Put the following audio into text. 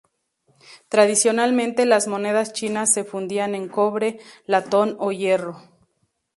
Tradicionalmente las monedas chinas se fundían en cobre, latón o hierro.